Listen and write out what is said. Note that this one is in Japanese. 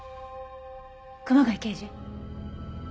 熊谷刑事？